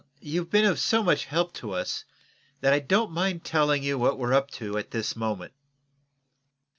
You've been of so much help to us that I don't mind telling you what we're up to at this moment.